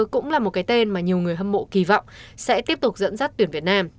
cũng là một cái tên mà nhiều người hâm mộ kỳ vọng sẽ tiếp tục dẫn dắt tuyển việt nam